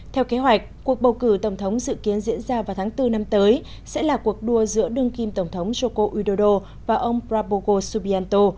theo kế hoạch cuộc bầu cử tổng thống dự kiến diễn ra vào tháng bốn năm tới sẽ là cuộc đua giữa đương kim tổng thống joko udodo và ông prabogo subianto